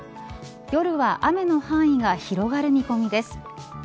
夜は雨の範囲が広がる見込みです。